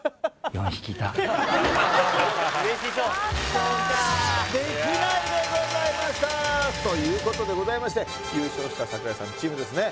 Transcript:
そうかできないでございましたということでございまして優勝した櫻井さんチームですね